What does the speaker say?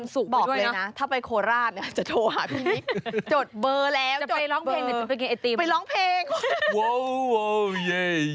ซื้อไอจิมด้วย